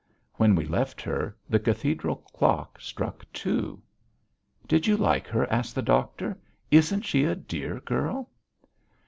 When we left her the Cathedral clock struck two. "Did you like her?" asked the doctor. "Isn't she a dear girl?"